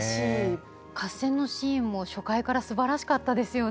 合戦のシーンも初回からすばらしかったですよね。